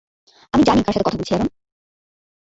আমি জানি কার সাথে কথা বলছি, অ্যারন।